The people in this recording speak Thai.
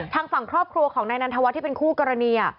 ทางฝั่งครอบครัวของนายนันทวัฒน์ที่เป็นคู่กรณี